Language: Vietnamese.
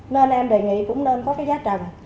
nên em đề nghị cũng nên có cái giá trần